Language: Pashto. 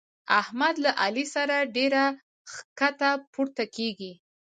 احمد له علي سره ډېره کښته پورته کېږي.